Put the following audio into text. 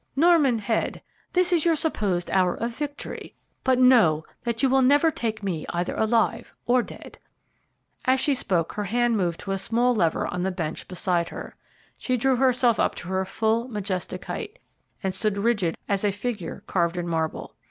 Norman Head, this is your supposed hour of victory, but know that you will never take me either alive or dead." As she spoke her hand moved to a small lever on the bench beside her. She drew herself up to her full, majestic height, and stood rigid as a figure carved in marble.